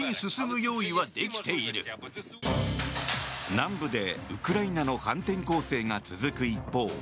南部でウクライナの反転攻勢が続く一方